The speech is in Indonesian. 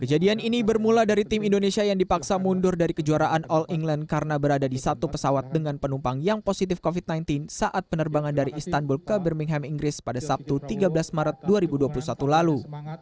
kejadian ini bermula dari tim indonesia yang dipaksa mundur dari kejuaraan all england karena berada di satu pesawat dengan penumpang yang positif covid sembilan belas saat penerbangan dari istanbul ke birmingham inggris pada sabtu tiga belas maret dua ribu dua puluh satu lalu